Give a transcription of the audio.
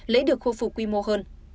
lễ được khôi phục quy mô hơn